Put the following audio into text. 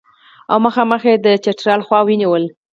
او مخامخ یې د چترال خوا ونیوله.